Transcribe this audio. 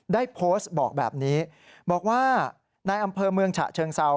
ได้โพสต์บอกแบบนี้บอกว่าในอำเภอเมืองฉะเชิงเซา